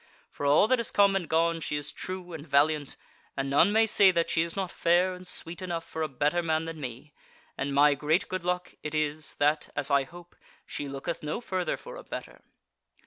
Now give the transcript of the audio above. For all that is come and gone she is true and valiant, and none may say that she is not fair and sweet enough for a better man than me; and my great good luck it is that, as I hope, she looketh no further for a better."